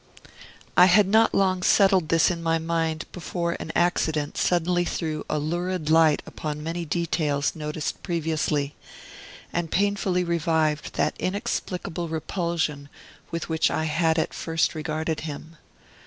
I had not long settled this in my mind before an accident suddenly threw a lurid light upon many details noticed previously, and painfully revived that inexplicable repulsion with which I had at first regarded him.